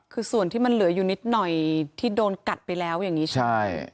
คือส่วนที่มันเหลืออยู่นิดหน่อยที่โดนกัดไปแล้วอย่างนี้ใช่ไหมใช่